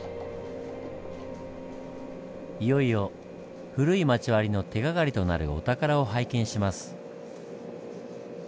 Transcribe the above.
いよいよ古い町割の手がかりとなるお宝を拝見します。